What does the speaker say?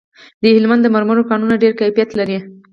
د هلمند د مرمرو کانونه ډیر کیفیت لري